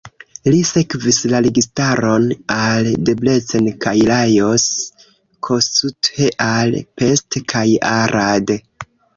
Li sekvis la registaron al Debrecen kaj Lajos Kossuth al Pest kaj Arad.